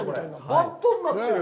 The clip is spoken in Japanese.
バットになってる。